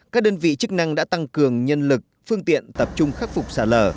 các đơn vị chức năng đã tăng cường nhân lực phương tiện tập trung khắc phục xả lở